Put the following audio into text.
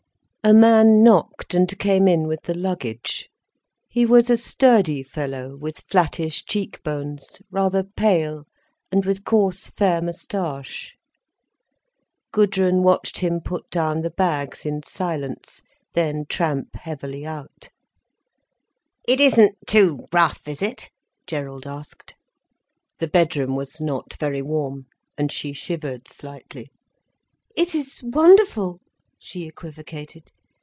A man knocked and came in with the luggage. He was a sturdy fellow with flattish cheek bones, rather pale, and with coarse fair moustache. Gudrun watched him put down the bags, in silence, then tramp heavily out. "It isn't too rough, is it?" Gerald asked. The bedroom was not very warm, and she shivered slightly. "It is wonderful," she equivocated.